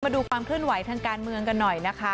มาดูความเคลื่อนไหวทางการเมืองกันหน่อยนะคะ